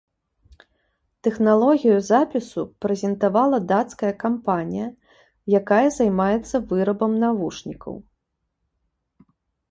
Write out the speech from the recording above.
Тэхналогію запісу прэзентавала дацкая кампанія, якая займаецца вырабам навушнікаў.